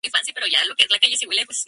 Foro de avancarga